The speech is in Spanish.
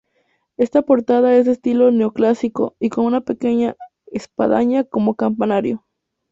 Esta portada es de estilo neoclásico y con una pequeña espadaña como campanario.